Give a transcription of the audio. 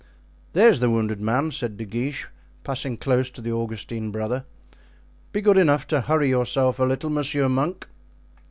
"There is the wounded man," said De Guiche, passing close to the Augustine brother. "Be good enough to hurry yourself a little, monsieur monk."